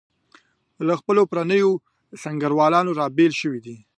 له خپلو پرونیو سنګروالو رابېل شوي.